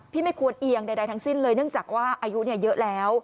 ไม่ควรเอียงใดทั้งสิ้นเลยเนื่องจากว่าอายุเยอะแล้ว